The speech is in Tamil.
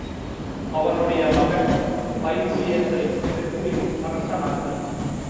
அவனுடைய மகன் பைலியஸை ஹெர்க்குலிஸ் அரசனாக்கினான்.